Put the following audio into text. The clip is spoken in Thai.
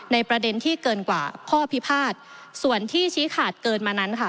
ประเด็นที่เกินกว่าข้อพิพาทส่วนที่ชี้ขาดเกินมานั้นค่ะ